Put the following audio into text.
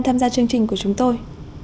tham gia chương trình của chúng tôi